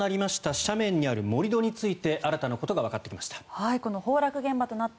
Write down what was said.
斜面にある盛り土について新たなことがわかってきました。